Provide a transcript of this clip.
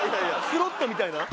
スロットみたいな？